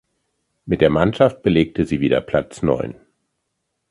Mit der Mannschaft belegte sie wieder Platz neun.